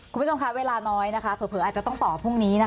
คุณผู้ชมคะเวลาน้อยนะคะเผลออาจจะต้องต่อพรุ่งนี้นะคะ